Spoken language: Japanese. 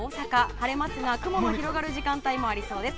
晴れますが雲の広がる時間帯もありそうです。